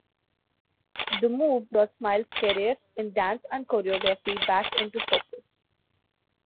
The move brought Smile's career in dance and choreography back into focus.